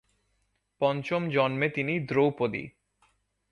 পঞ্চম জন্মে তিনি দ্রৌপদী।